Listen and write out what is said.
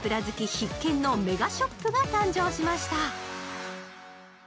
必見のメガショップが誕生しました。